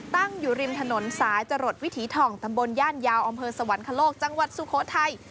ตั้งอยู่ริมถนนสายจรดวิถีถ่องตำบลย่านยาวอำเภอสวรรคโลกจังหวัดสุโขทัย